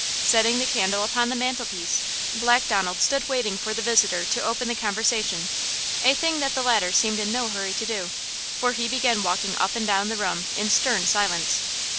Setting the candle upon the mantelpiece, Black Donald stood waiting for the visitor to open the conversation, a thing that the latter seemed in no hurry to do, for he began walking up and down the room in stern silence.